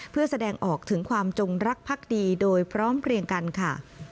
เพื่อแสดงออกถึงความจงรักภักดีโดยพร้อมเพลียงกันค่ะ